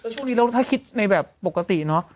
ช่วงนี้แล้วถ้าคิดในแบบปกติเนอะ